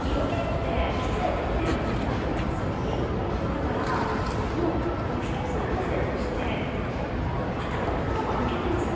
だからもう一つの個性として頭抜けてるんですよ